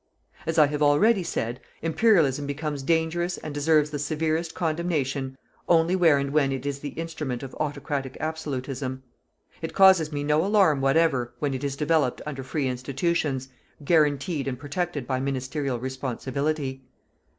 As I have already said, Imperialism becomes dangerous and deserves the severest condemnation, only where and when it is the instrument of autocratic absolutism. It causes me no alarm whatever when it is developed under free institutions, guaranteed and protected by ministerial responsibility.